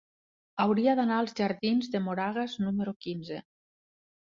Hauria d'anar als jardins de Moragas número quinze.